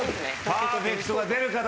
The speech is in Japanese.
パーフェクトが出るか？